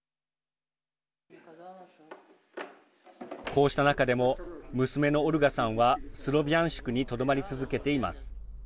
こうした中でも娘のオルガさんはスロビャンシクにとどまり続けています。